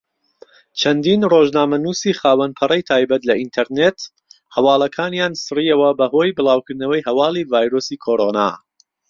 چەندین ڕۆژنامەنووسی خاوەن پەڕەی تایبەت لە ئینتەرنێت هەواڵەکانیان سڕیەوە بەهۆی بڵاوکردنەوەی هەواڵی ڤایرۆسی کۆڕۆنا.